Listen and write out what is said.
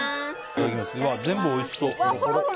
全部おいしそう。